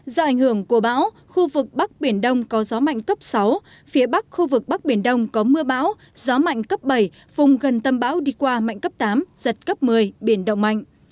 do ảnh hưởng của bão khu vực bắc biển đông có gió mạnh cấp sáu phía bắc khu vực bắc biển đông có mưa bão gió mạnh cấp bảy vùng gần tâm bão đi qua mạnh cấp tám giật cấp một mươi biển động mạnh